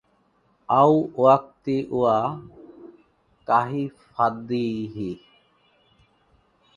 au wakati wa kuhifadhi kwa muda mrefu.